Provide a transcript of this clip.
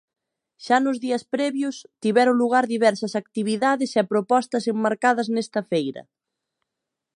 Xa nos días previos, tiveron lugar diversas actividades e propostas enmarcadas nesta feira.